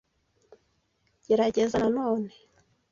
Gerageza na none.